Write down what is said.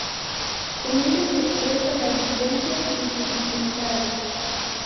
En ellas expresa las vivencias y sus intimidades.